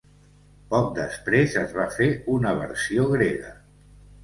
Poc després es va fer una versió grega.